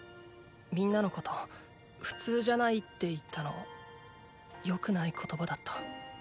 皆のこと普通じゃないって言ったのよくない言葉だった。